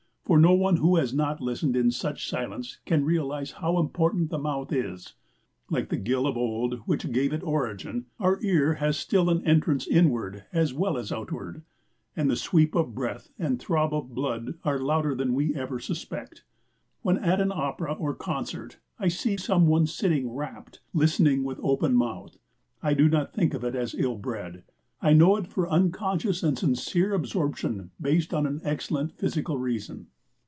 For no one who has not listened in such silence can realize how important the mouth is. Like the gill of old which gave it origin, our ear has still an entrance inward as well as outward, and the sweep of breath and throb of the blood are louder than we ever suspect. When at an opera or concert I see some one sitting rapt, listening with open mouth, I do not think of it as ill bred. I know it for unconscious and sincere absorption based on an excellent physical reason.